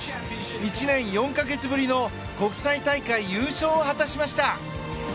１年４か月ぶりの国際大会優勝を果たしました。